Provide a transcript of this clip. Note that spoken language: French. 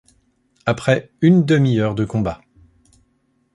Après une demi-heure de combat